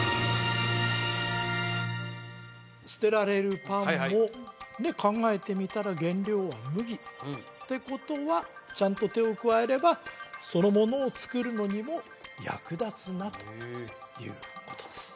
捨てられるパンも考えてみたら原料は麦ってことはちゃんと手を加えればそのものを作るのにも役立つなということです